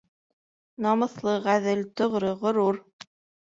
Намыҫлы, ғәҙел, тоғро, ғорур...